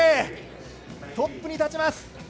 トップに立ちます。